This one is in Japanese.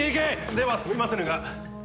ではすみませぬが。